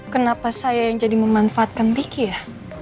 kenapa saya yang jadi memanfaatkan ricky ya